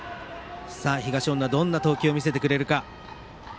東恩納、どんな投球を見せてくれるか。